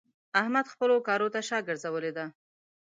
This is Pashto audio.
احمد خپلو کارو ته شا ګرځولې ده.